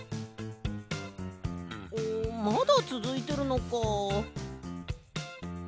おまだつづいてるのか。